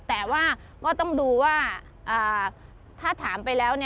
แต่ว่าก็ต้องดูว่าถ้าถามไปแล้ว